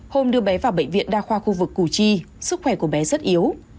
hôm đưa bé vào bệnh viện đa khoa khu vực củ chi sức khỏe của bé rất yếu